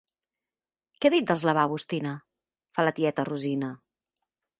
Què ha dit dels lavabos, Tina? —fa la tieta Rosina.